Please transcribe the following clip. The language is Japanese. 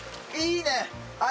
いいね。